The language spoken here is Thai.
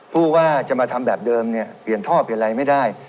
ผู้ว่าจะมาทำแบบเดิมเนี่ยเปลี่ยนท่อเปลี่ยนอะไรไม่ได้